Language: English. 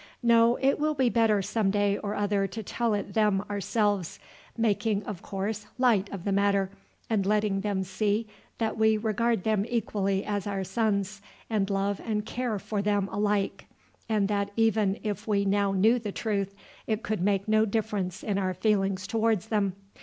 No, it will be better some day or other to tell it them ourselves, making, of course, light of the matter, and letting them see that we regard them equally as our sons, and love and care for them alike, and that even if we now knew the truth it could make no difference in our feelings towards them.